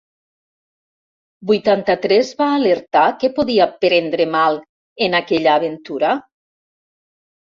Vuitanta-tres va alertar que podia prendre mal en aquella aventura?